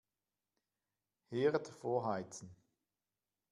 Herd vorheizen.